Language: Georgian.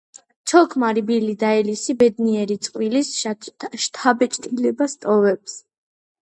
ცოლ-ქმარი ბილი და ელისი ბედნიერი წყვილის შთაბეჭდილებას ტოვებს.